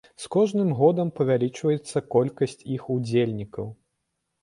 З кожным годам павялічваецца колькасць іх удзельнікаў.